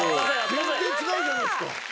全然違うじゃないですか。